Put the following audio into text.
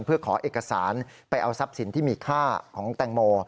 เพื่อขอเอกสารไปเอาทรัพย์สินที่มีค่าของแตงโม